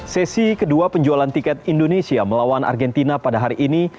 sesi kedua penjualan tiket indonesia melawan argentina pada hari ini